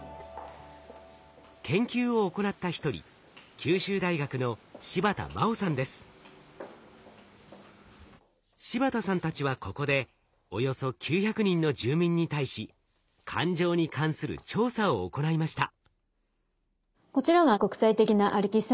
研究を行った一人柴田さんたちはここでおよそ９００人の住民に対し感情に関する調査を行いました。